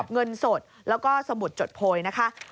เงินสดแล้วก็สมุดจดโพยนะคะ